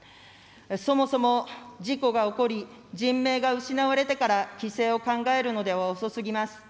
そもそも事故が起こり、人命が失われてから規制を考えるのでは遅すぎます。